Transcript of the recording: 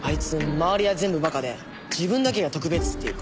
周りは全部馬鹿で自分だけが特別っていうか。